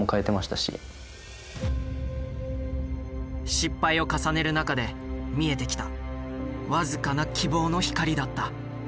失敗を重ねる中で見えてきた僅かな希望の光だった。